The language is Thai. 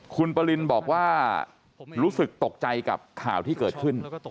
คุณปรินบอกว่ารู้สึกตกใจกับข่าวที่เกิดขึ้น